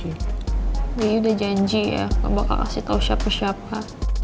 daddy udah janji ya gak bakal kasih tau siapa siapa